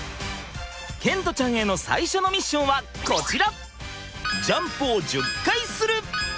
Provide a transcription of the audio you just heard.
賢澄ちゃんへの最初のミッションはこちら！